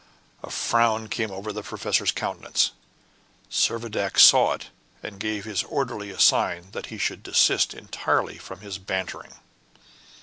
A frown came over the professor's countenance. Servadac saw it, and gave his orderly a sign that he should desist entirely from his bantering.